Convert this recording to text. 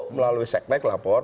melalui seknek lapor